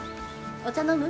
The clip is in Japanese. お茶飲む？